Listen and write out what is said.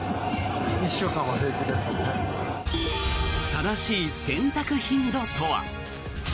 正しい洗濯頻度とは？